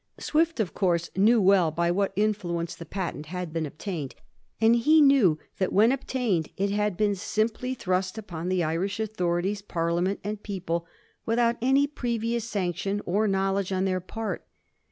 Swift, of course, knew well by what influence the patent had been obtained, and he knew that when obtained it had been simply thrust upon the Irish authorities. Parliament, and people without any pre vious sanction or knowledge on their part.